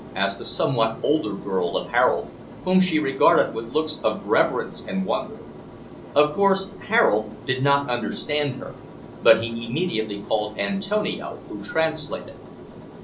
asked a somewhat older girl of Harold, whom she regarded with looks of reverence and wonder. Of course Harold did not understand her, but he immediately called Antonio, who translated.